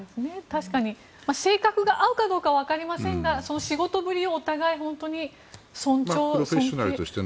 確かに性格が合うかどうかは分かりませんが仕事ぶりをお互い尊重、尊敬して。